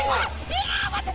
いや待って！